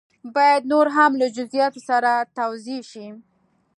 باید نور هم له جزیاتو سره توضیح شي.